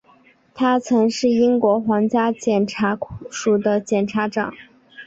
他曾是英国皇家检控署的检察长。